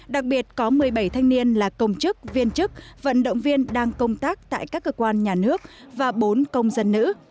đặc biệt có một mươi bảy thanh niên là công chức viên chức vận động viên đang công tác tại các cơ quan nhà nước và bốn công dân nữ